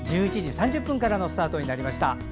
１１時３０分からのスタートになりました。